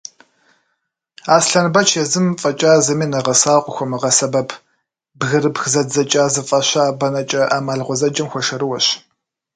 Аслъэнбэч езым фӏэкӏа зыми нэгъэсауэ къыхуэмыгъэсэбэп «бгырыпх зэдзэкӏа» зыфӏаща бэнэкӏэ ӏэмал гъуэзэджэм хуэшэрыуэщ.